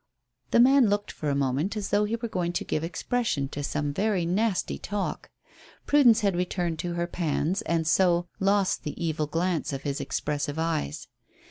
The man looked for a moment as though he were going to give expression to some very nasty talk. Prudence had returned to her pans and so lost the evil glance of his expressive eyes.